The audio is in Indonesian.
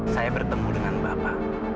saya bertemu dengan bapak